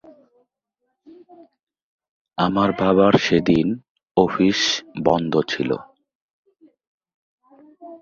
British গোয়েন্দা সংস্থার ভবিষ্যত কাঠামো নিয়ে বিতর্ক অব্যাহত থাকে।